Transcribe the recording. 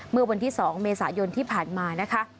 เมื่อวันที่๒เมษายนที่ผ่านมานะคะ